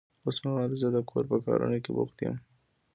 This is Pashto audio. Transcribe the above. اوس مهال زه د کور په کارونه کې بوخت يم.